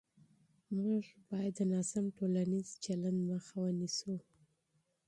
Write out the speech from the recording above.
موږ باید د ناسم ټولنیز چلند مخه ونیسو.